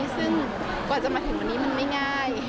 ซึ่งกว่าจะมาถึงวันนี้มันไม่ง่าย